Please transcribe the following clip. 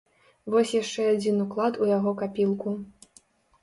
Вось яшчэ адзін уклад у яго капілку.